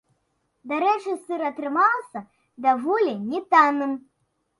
Дарэчы, сыр атрымаўся даволі не танным.